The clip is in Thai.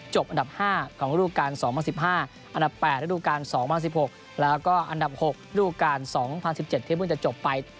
อันดับ๕ของรูปการ๒๐๑๕อันดับ๘ระดูการ๒๐๑๖แล้วก็อันดับ๖รูปการ๒๐๑๗ที่เพิ่งจะจบไป